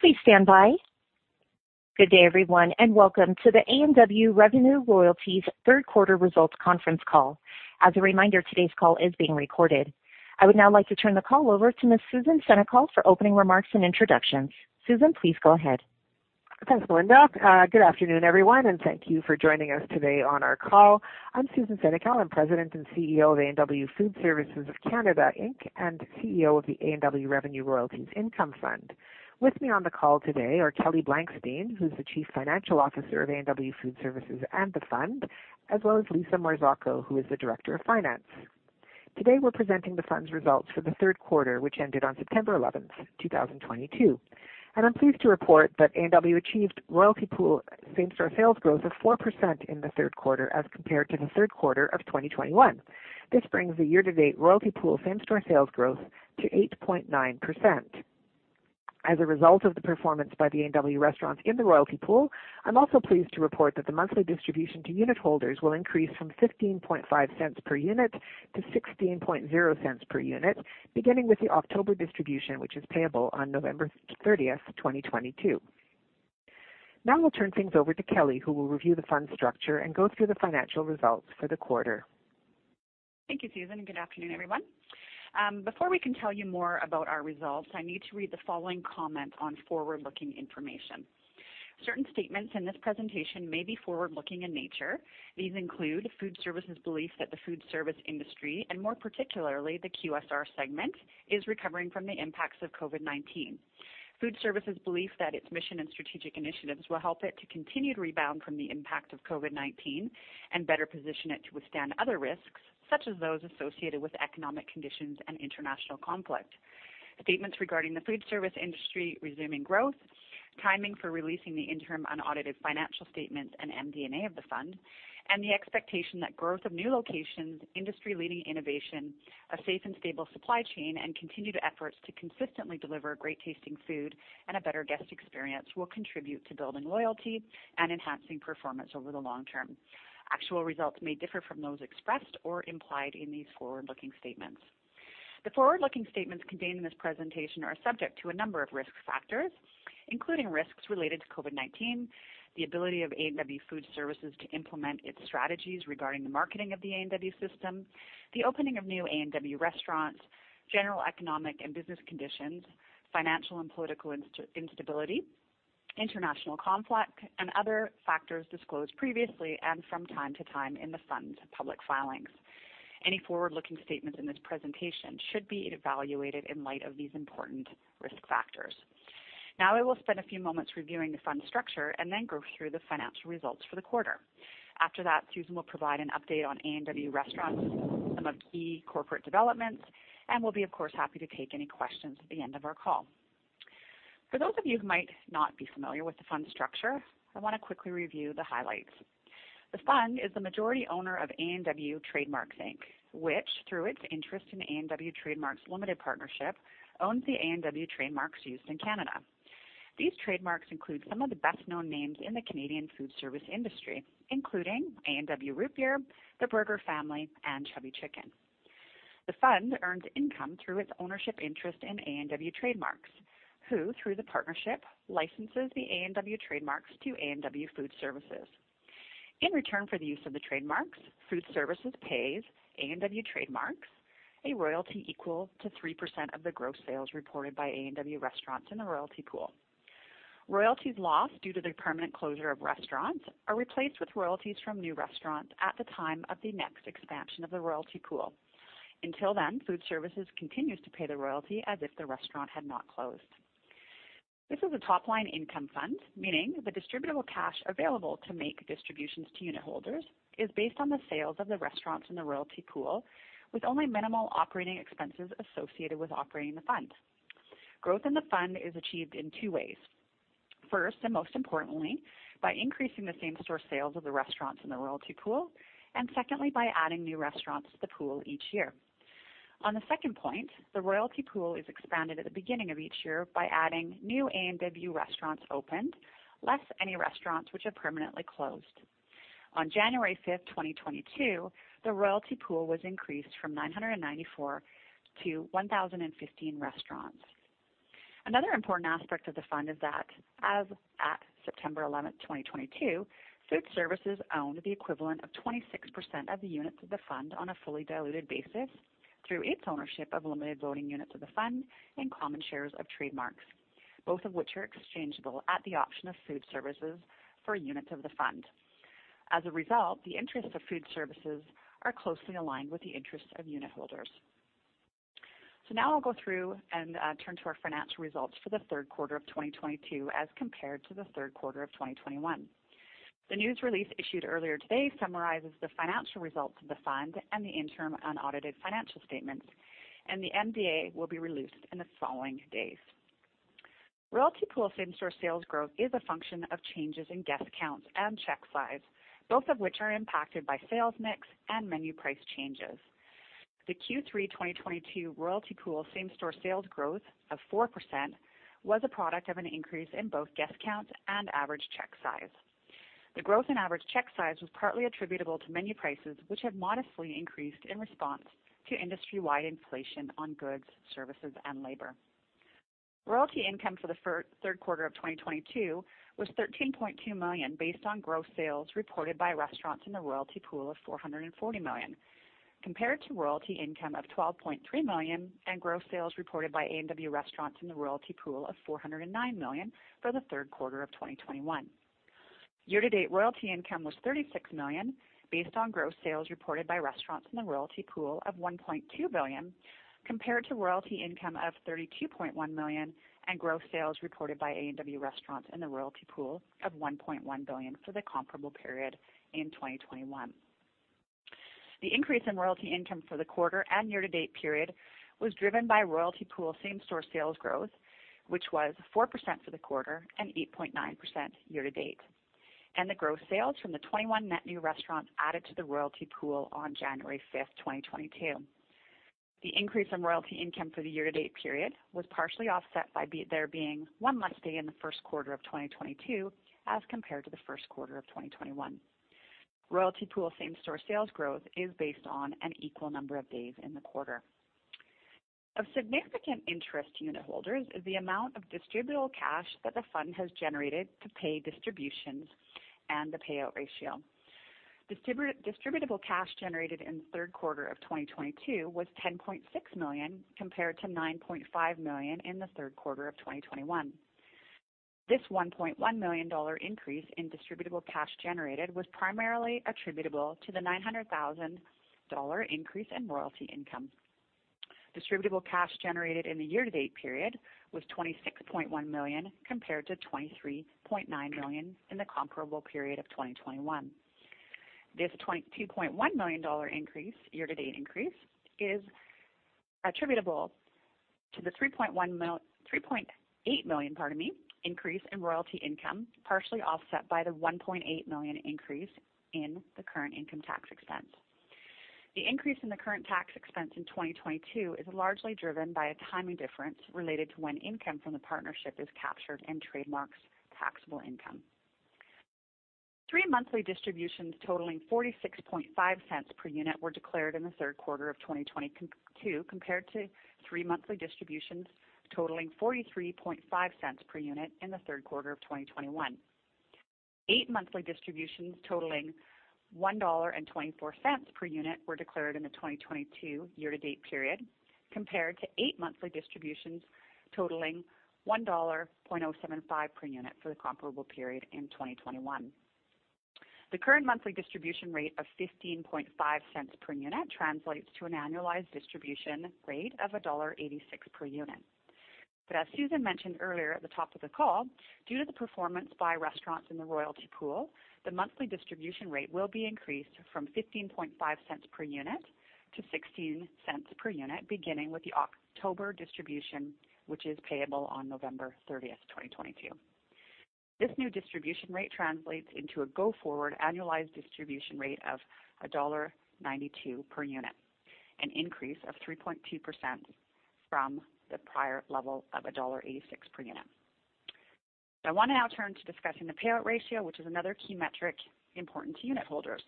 Please stand by. Good day, everyone, and welcome to the A&W Revenue Royalties Third Quarter Results Conference Call. As a reminder, today's call is being recorded. I would now like to turn the call over to Ms. Susan Senecal for opening remarks and introductions. Susan, please go ahead. Thanks, Linda. Good afternoon, everyone, and thank you for joining us today on our call. I'm Susan Senecal. I'm President and CEO of A&W Food Services of Canada Inc., and CEO of the A&W Revenue Royalties Income Fund. With me on the call today are Kelly Blankstein, who's the Chief Financial Officer of A&W Food Services and the fund, as well as Lisa Marzocco, who is the Director of Finance. Today, we're presenting the fund's results for the third quarter, which ended on September 11, 2022. I'm pleased to report that A&W achieved royalty pool same-store sales growth of 4% in the third quarter as compared to the third quarter of 2021. This brings the year-to-date royalty pool same-store sales growth to 8.9%. As a result of the performance by the A&W restaurants in the Royalty Pool, I'm also pleased to report that the monthly distribution to unitholders will increase from 15.5 per unit to 16.0 Per unit, beginning with the October distribution, which is payable on November 30, 2022. Now I'll turn things over to Kelly, who will review the fund structure and go through the financial results for the quarter. Thank you, Susan, and good afternoon, everyone. Before we can tell you more about our results, I need to read the following comment on forward-looking information. Certain statements in this presentation may be forward-looking in nature. These include Food Services' belief that the food service industry, and more particularly the QSR segment, is recovering from the impacts of COVID-19. Food Services' belief that its mission and strategic initiatives will help it to continue to rebound from the impact of COVID-19 and better position it to withstand other risks, such as those associated with economic conditions and international conflict. The statements regarding the food service industry resuming growth, timing for releasing the interim unaudited financial statements and MD&A of the fund, and the expectation that growth of new locations, industry-leading innovation, a safe and stable supply chain, and continued efforts to consistently deliver great-tasting food and a better guest experience will contribute to building loyalty and enhancing performance over the long term. Actual results may differ from those expressed or implied in these forward-looking statements. The forward-looking statements contained in this presentation are subject to a number of risk factors, including risks related to COVID-19, the ability of A&W Food Services to implement its strategies regarding the marketing of the A&W system, the opening of new A&W restaurants, general economic and business conditions, financial and political instability, international conflict, and other factors disclosed previously and from time to time in the fund's public filings. Any forward-looking statements in this presentation should be evaluated in light of these important risk factors. Now I will spend a few moments reviewing the fund structure and then go through the financial results for the quarter. After that, Susan will provide an update on A&W Restaurants, some of the key corporate developments, and we'll be, of course, happy to take any questions at the end of our call. For those of you who might not be familiar with the fund structure, I wanna quickly review the highlights. The fund is the majority owner of A&W Trade Marks Inc., which, through its interest in A&W Trade Marks Limited Partnership, owns the A&W trademarks used in Canada. These trademarks include some of the best-known names in the Canadian food service industry, including A&W Root Beer, The Burger Family, and Chubby Chicken. The fund earns income through its ownership interest in A&W Trade Marks, who, through the partnership, licenses the A&W trademarks to A&W Food Services. In return for the use of the trademarks, Food Services pays A&W Trade Marks a royalty equal to 3% of the gross sales reported by A&W Restaurants in the Royalty Pool. Royalties lost due to the permanent closure of restaurants are replaced with royalties from new restaurants at the time of the next expansion of the Royalty Pool. Until then, Food Services continues to pay the royalty as if the restaurant had not closed. This is a top-line income fund, meaning the distributable cash available to make distributions to unitholders is based on the sales of the restaurants in the Royalty Pool, with only minimal operating expenses associated with operating the fund. Growth in the fund is achieved in two ways. First, and most importantly, by increasing the same-store sales of the restaurants in the royalty pool, and secondly, by adding new restaurants to the pool each year. On the second point, the royalty pool is expanded at the beginning of each year by adding new A&W restaurants opened, less any restaurants which have permanently closed. On January 5, 2022, the royalty pool was increased from 994 to 1,015 restaurants. Another important aspect of the fund is that as at September 11, 2022, Food Services owned the equivalent of 26% of the units of the fund on a fully diluted basis through its ownership of limited voting units of the fund and common shares of Trademarks, both of which are exchangeable at the option of Food Services for units of the fund. As a result, the interests of Food Services are closely aligned with the interests of unitholders. Now I'll go through and turn to our financial results for the third quarter of 2022 as compared to the third quarter of 2021. The news release issued earlier today summarizes the financial results of the fund and the interim unaudited financial statements, and the MD&A will be released in the following days. Royalty Pool same-store sales growth is a function of changes in guest counts and check size, both of which are impacted by sales mix and menu price changes. The Q3 2022 royalty pool same-store sales growth of 4% was a product of an increase in both guest count and average check size. The growth in average check size was partly attributable to menu prices, which have modestly increased in response to industry-wide inflation on goods, services, and labor. Royalty income for the first three quarters of 2022 was CAD 13.2 million, based on gross sales reported by restaurants in the royalty pool of CAD 440 million, compared to royalty income of CAD 12.3 million and gross sales reported by A&W Restaurants in the royalty pool of CAD 409 million for the third quarter of 2021. Year-to-date royalty income was CAD 36 million, based on gross sales reported by restaurants in the Royalty Pool of CAD 1.2 billion, compared to royalty income of CAD 32.1 million and gross sales reported by A&W Restaurants in the Royalty Pool of CAD 1.1 billion for the comparable period in 2021. The increase in royalty income for the quarter and year-to-date period was driven by Royalty Pool same-store sales growth, which was 4% for the quarter and 8.9% year-to-date, and the gross sales from the 21 net new restaurants added to the Royalty Pool on January 5, 2022. The increase in royalty income for the year-to-date period was partially offset by there being one less day in the first quarter of 2022 as compared to the first quarter of 2021. Royalty Pool same-store sales growth is based on an equal number of days in the quarter. Of significant interest to unitholders is the amount of distributable cash that the fund has generated to pay distributions and the payout ratio. Distributable cash generated in the third quarter of 2022 was 10.6 million, compared to 9.5 million in the third quarter of 2021. This 1.1 million dollar increase in distributable cash generated was primarily attributable to the 900,000 dollar increase in royalty income. Distributable cash generated in the year-to-date period was 26.1 million, compared to 23.9 million in the comparable period of 2021. This 2.1 million dollar increase, year-to-date increase, is attributable to the 3.8 million increase in royalty income, partially offset by the 1.8 million increase in the current income tax expense. The increase in the current tax expense in 2022 is largely driven by a timing difference related to when income from the partnership is captured in Trade Marks' taxable income. Three monthly distributions totaling 46.5 per unit were declared in the third quarter of 2022, compared to three monthly distributions totaling 43.5 per unit in the third quarter of 2021. Eight monthly distributions totaling 1.24 dollar per unit were declared in the 2022 year-to-date period, compared to eight monthly distributions totaling 1.075 dollar per unit for the comparable period in 2021. The current monthly distribution rate of 0.155 per unit translates to an annualized distribution rate of dollar 1.86 per unit. As Susan mentioned earlier at the top of the call, due to the performance by restaurants in the Royalty Pool, the monthly distribution rate will be increased from 15.5 per unit to 0.16 per unit, beginning with the October distribution, which is payable on November 30, 2022. This new distribution rate translates into a go-forward annualized distribution rate of dollar 1.92 per unit, an increase of 3.2% from the prior level of dollar 1.86 per unit. I want to now turn to discussing the payout ratio, which is another key metric important to unitholders.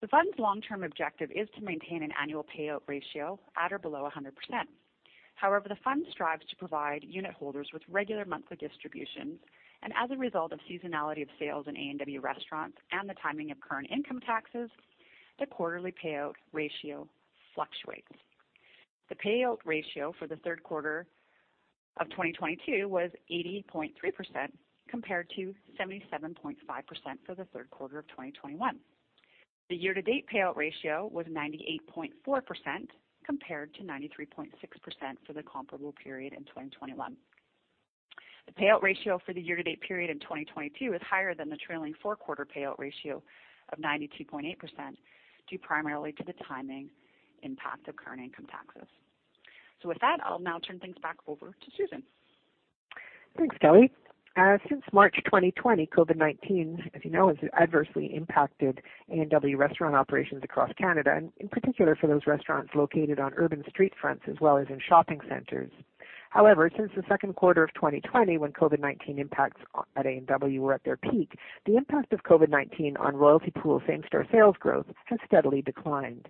The fund's long-term objective is to maintain an annual payout ratio at or below 100%. However, the fund strives to provide unitholders with regular monthly distributions, and as a result of seasonality of sales in A&W Restaurants and the timing of current income taxes, the quarterly payout ratio fluctuates. The payout ratio for the third quarter of 2022 was 80.3%, compared to 77.5% for the third quarter of 2021. The year-to-date payout ratio was 98.4%, compared to 93.6% for the comparable period in 2021. The payout ratio for the year-to-date period in 2022 is higher than the trailing four-quarter payout ratio of 92.8%, due primarily to the timing impact of current income taxes. With that, I'll now turn things back over to Susan. Thanks, Kelly. Since March 2020, COVID-19, as you know, has adversely impacted A&W restaurant operations across Canada and in particular for those restaurants located on urban street fronts as well as in shopping centers. However, since the second quarter of 2020, when COVID-19 impacts on A&W were at their peak, the impact of COVID-19 on Royalty Pool same-store sales growth has steadily declined.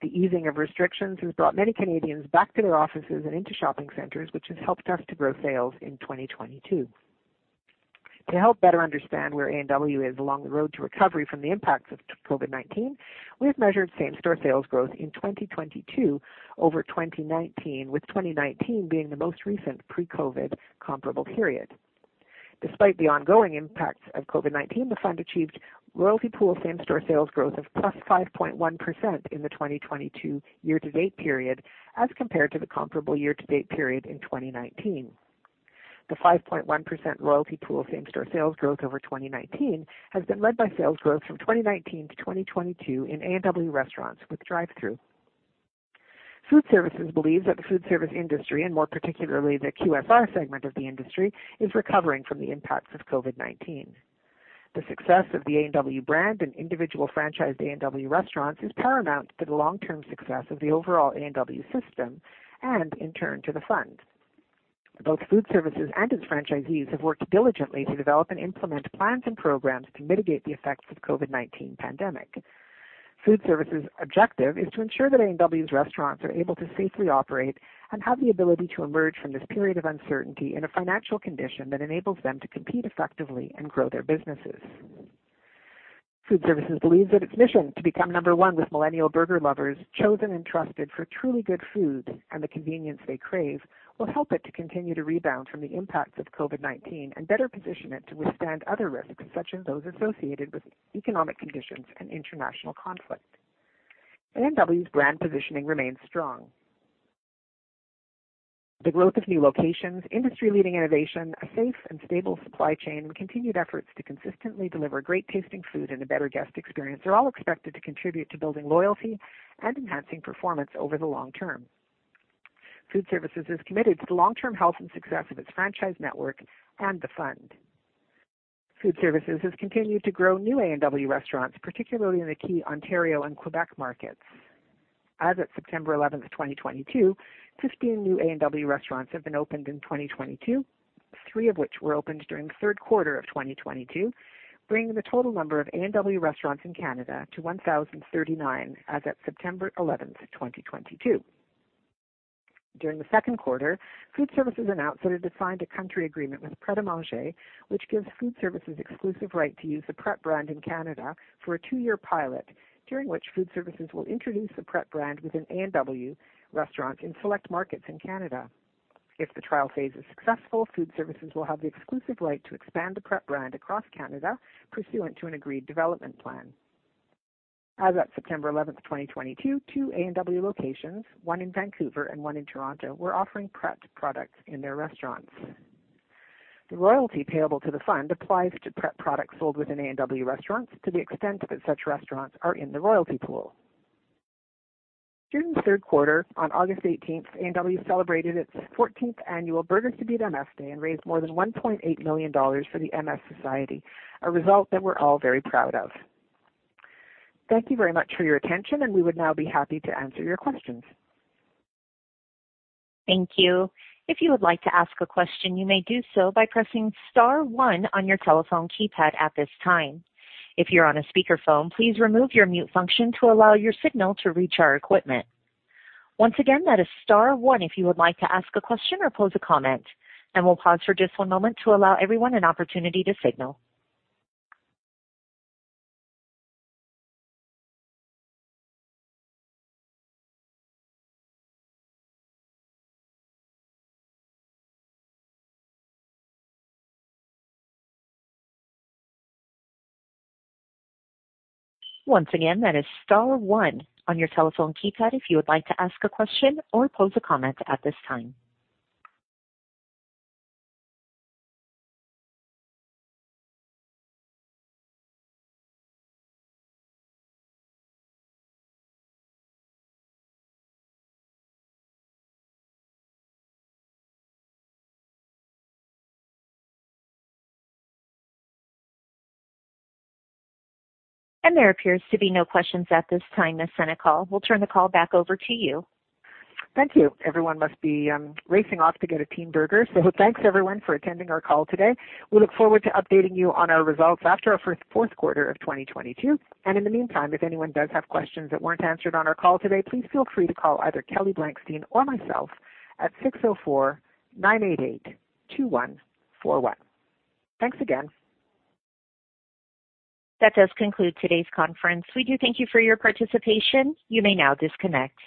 The easing of restrictions has brought many Canadians back to their offices and into shopping centers, which has helped us to grow sales in 2022. To help better understand where A&W is along the road to recovery from the impacts of the COVID-19, we have measured same-store sales growth in 2022 over 2019, with 2019 being the most recent pre-COVID comparable period. Despite the ongoing impacts of COVID-19, the fund achieved royalty pool same-store sales growth of +5.1% in the 2022 year-to-date period as compared to the comparable year-to-date period in 2019. The 5.1% royalty pool same-store sales growth over 2019 has been led by sales growth from 2019 to 2022 in A&W Restaurants with drive-thru. Food Services believes that the food service industry, and more particularly the QSR segment of the industry, is recovering from the impacts of COVID-19. The success of the A&W brand and individual franchised A&W Restaurants is paramount to the long-term success of the overall A&W system and, in turn, to the fund. Both Food Services and its franchisees have worked diligently to develop and implement plans and programs to mitigate the effects of COVID-19 pandemic. Food Services' objective is to ensure that A&W's restaurants are able to safely operate and have the ability to emerge from this period of uncertainty in a financial condition that enables them to compete effectively and grow their businesses. Food Services believes that its mission to become number one with millennial burger lovers, chosen and trusted for truly good food and the convenience they crave, will help it to continue to rebound from the impacts of COVID-19 and better position it to withstand other risks, such as those associated with economic conditions and international conflict. A&W's brand positioning remains strong. The growth of new locations, industry-leading innovation, a safe and stable supply chain, continued efforts to consistently deliver great tasting food and a better guest experience are all expected to contribute to building loyalty and enhancing performance over the long term. Food Services is committed to the long-term health and success of its franchise network and the fund. Food Services has continued to grow new A&W Restaurants, particularly in the key Ontario and Quebec markets. As of September 11, 2022, 15 new A&W Restaurants have been opened in 2022, three of which were opened during the third quarter of 2022, bringing the total number of A&W Restaurants in Canada to 1,039 as at September 11, 2022. During the second quarter, Food Services announced that it had signed a country agreement with Pret A Manger, which gives Food Services exclusive right to use the Pret brand in Canada for a two-year pilot, during which Food Services will introduce the Pret brand within A&W Restaurants in select markets in Canada. If the trial phase is successful, Food Services will have the exclusive right to expand the Pret brand across Canada pursuant to an agreed development plan. As of September eleventh, 2022, two A&W locations, one in Vancouver and one in Toronto, were offering Pret products in their restaurants. The royalty payable to the fund applies to Pret products sold within A&W restaurants to the extent that such restaurants are in the royalty pool. During the third quarter, on August eighteenth, A&W celebrated its fourteenth annual Burgers to Beat MS Day and raised more than 1.8 million dollars for the MS Society, a result that we're all very proud of. Thank you very much for your attention, and we would now be happy to answer your questions. Thank you. If you would like to ask a question, you may do so by pressing star one on your telephone keypad at this time. If you're on a speakerphone, please remove your mute function to allow your signal to reach our equipment. Once again, that is star one if you would like to ask a question or pose a comment, and we'll pause for just one moment to allow everyone an opportunity to signal. Once again, that is star one on your telephone keypad if you would like to ask a question or pose a comment at this time. There appears to be no questions at this time, Ms. Senecal. We'll turn the call back over to you. Thank you. Everyone must be racing off to get a Teen Burger. Thanks, everyone, for attending our call today. We look forward to updating you on our results after our fiscal fourth quarter of 2022. In the meantime, if anyone does have questions that weren't answered on our call today, please feel free to call either Kelly Blankstein or myself at 604-988-2141. Thanks again. That does conclude today's conference. We do thank you for your participation. You may now disconnect.